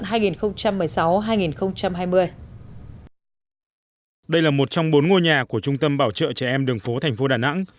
đây là một trong bốn ngôi nhà của trung tâm bảo trợ trẻ em đường phố thành phố đà nẵng